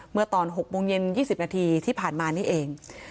เมื่อตอน๖โมงเย็น๒๐นาทีที่ผ่านมานี่เอง